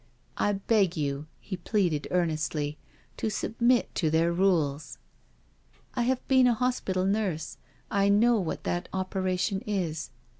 I beg you/' he pleaded earnestly, " to submit to their rules. '^" I have been a hospital nurse— I know what that operation is."